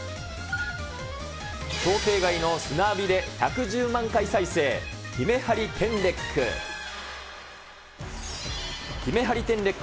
想定外の砂浴びで１１０万回再生、ヒメハリテンレック。